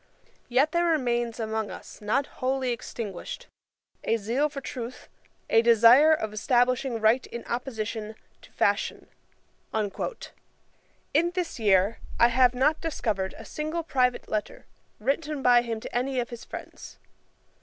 Yet there remains still among us, not wholly extinguished, a zeal for truth, a desire of establishing right in opposition to fashion". In this year I have not discovered a single private letter, written by him to any of his friends.